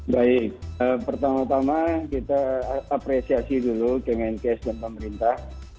baik pertama tama kita apresiasi dulu kemenkes dan pemerintah